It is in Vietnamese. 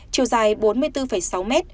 chiều dài bốn mươi bốn sáu m